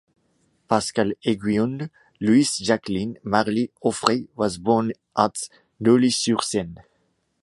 Pascale Aiguionne Louise Jacqueline Marie Auffray was born at Neuilly-sur-Seine.